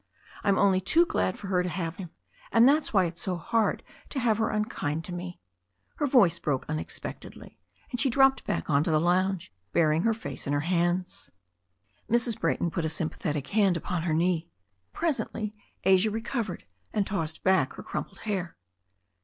I'm only too glad for her to have him. And that's why it's so hard to have her unkind to me " Her voice broke unexpectedly, and she dropped back on to the lounge, burying her face in her hands. Mrs. Brayton put a sympathetic hand upon her knee. Presently Asia recovered, and tossed back her crumpled hair.